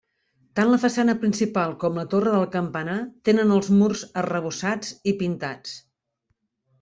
Tant la façana principal com la torre del campanar tenen els murs arrebossats i pintats.